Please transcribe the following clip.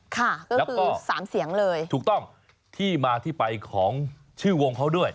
ค่ะก็คือสามเสียงเลยถูกต้องที่มาที่ไปของชื่อวงเขาด้วย